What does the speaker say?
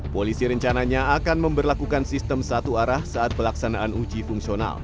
polisi rencananya akan memperlakukan sistem satu arah saat pelaksanaan uji fungsional